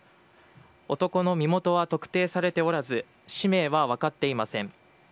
男の身元は特定されておらず、氏名は分かっていません。